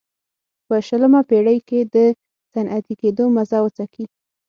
په شلمه پېړۍ کې د صنعتي کېدو مزه وڅکي.